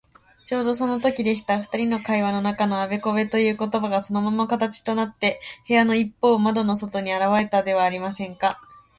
ちょうどそのときでした。ふたりの会話の中のあべこべということばが、そのまま形となって、部屋のいっぽうの窓の外にあらわれたではありませんか。